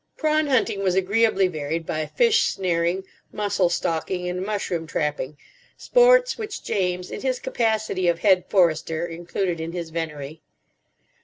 Prawn hunting was agreeably varied by fish snaring, mussel stalking, and mushroom trapping—sports which James, in his capacity of Head Forester, included in his venery.